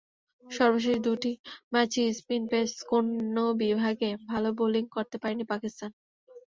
সর্বশেষ দুটি ম্যাচেই স্পিন-পেস কোনো বিভাগে ভালো বোলিং করতে পারেনি পাকিস্তান।